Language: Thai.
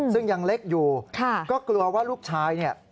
ซึ่งยังเล็กอยู่ก็กลัวว่าลูกชายเนี่ย